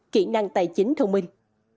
kỹ năng tài chính thông minh